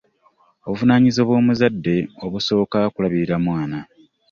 Obuvunaanyizibwa bw'omuzadde obusooka kulabirira mwana.